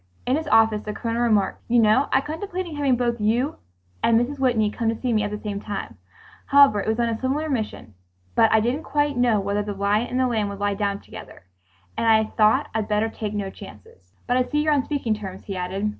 In his office the Colonel remarked, "You know, I contemplated having both you and Mrs. Whitney come to see me at the same time, since it was on a similar mission, but I didn't quite know whether the lion and the lamb would lie down together, and I thought I'd better take no chances .... But I see you're on speaking terms," he added.